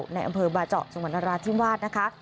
ในอำเภอบาเจาะสวรรค์นราธิวาสนะคะ